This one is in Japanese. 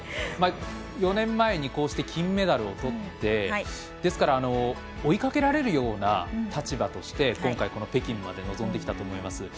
４年前にこうして金メダルをとってですから追いかけられるような立場として今回、北京まで臨んできたと思います。